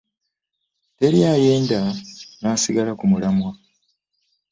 Teri ayenda n'asigala ku mulamwa.